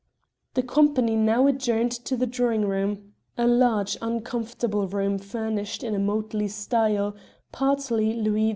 The company now adjourned to the drawing room, a large uncomfortable room furnished in a motley style, partly Louis XV.